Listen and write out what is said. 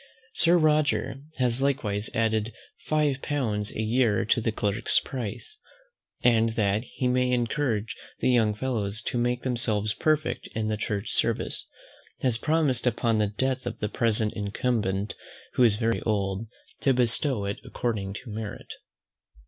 Sir Roger has likewise added five pounds a year to the clerk's place; and that he may encourage the young fellows to make themselves perfect in the church service, has promised upon the death of the present incumbent, who is very old, to bestow it according to merit.